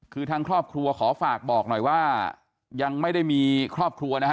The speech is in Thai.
คือทางครอบครัวขอฝากบอกหน่อยว่ายังไม่ได้มีครอบครัวนะฮะ